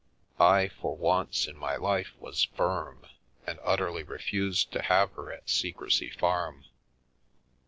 I, for once in my life, was firm, and utterly refused to have her at Secrecy Farm.